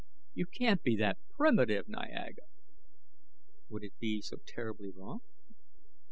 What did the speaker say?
"You can't be that primitive, Niaga!" "Would it be so terribly wrong?"